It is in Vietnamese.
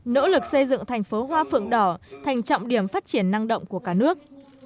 nỗ lực xây dựng thành phố hoa phượng đỏ thành trọng điểm phát triển năng động của cả nước